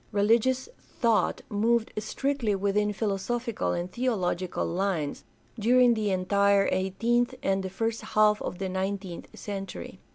Religious thought moved strictly within philosophical and theological lines during the entire eighteenth and the first half o" the nineteenth century.